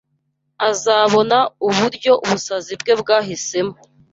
Azabona uburyo ubusazi bwe bwahisemo